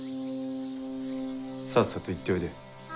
さっさと行っておいで。